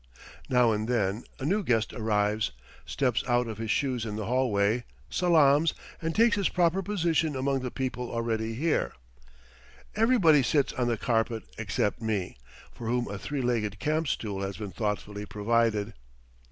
Now and then a new guest arrives, steps out of his shoes in the hallway, salaams, and takes his proper position among the people already here. Everybody sits on the carpet except me, for whom a three legged camp stool has been thoughtfully provided.